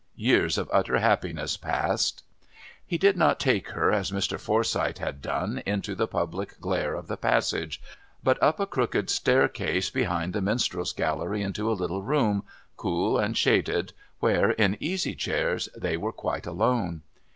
Years of utter happiness passed.... He did not take her, as Mr. Forsyth had done, into the public glare of the passage, but up a crooked staircase behind the Minstrels' Gallery into a little room, cool and shaded, where, in easy chairs, they were quite alone.